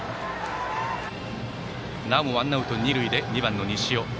なおもワンアウト、二塁で２番の西尾。